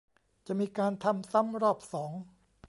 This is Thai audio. จะมีการทำซ้ำรอบสอง